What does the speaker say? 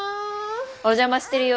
お邪魔してるよ。